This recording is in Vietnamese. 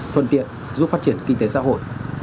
thuận tiện giúp phát triển kinh tế xã hội